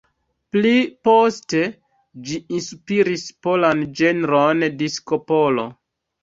Pli poste ĝi inspiris polan ĝenron disko-polo.